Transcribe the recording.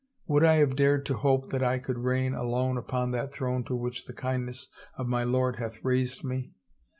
Would I have dared to hope that I could reign alone upon that throne to which the kindness of my lord hath raised me?